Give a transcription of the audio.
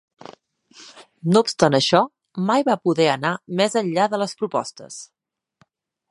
No obstant això, mai va poder anar més enllà de les propostes.